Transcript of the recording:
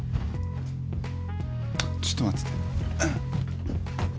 ちょっと待ってて。